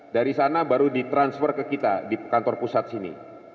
dari sana baru ditransfer ke kita di kantor pusat sini